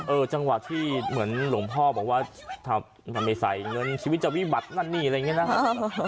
จังหวะที่เหมือนหลวงพ่อบอกว่าถ้าไม่ใส่เงินชีวิตจะวิบัตินั่นนี่อะไรอย่างนี้นะครับ